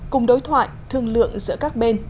cùng đối thoại thương lượng giữa các bên